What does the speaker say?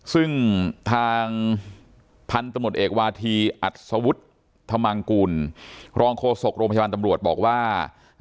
ซึ่งทางพันธุ์ตำรวจเอกวาธีอัศวุฒิธมังกุลรองโฆษกโรงพยาบาลตำรวจบอกว่า